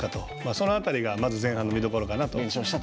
その辺りがまず前半の見どころかなと。